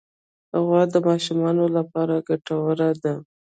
غوا د ماشومانو لپاره ګټوره ده.